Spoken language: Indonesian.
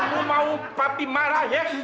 lo mau papi marah ya